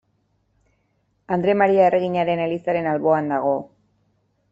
Andre Maria erreginaren elizaren alboan dago.